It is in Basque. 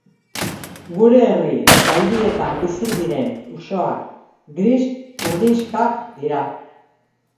Gure herri eta hirietan bizi diren usoak gris-urdinxkak dira.